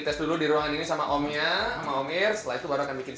seksi kansel hari ini